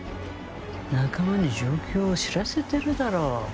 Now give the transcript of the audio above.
仲間に状況を知らせてるだろ。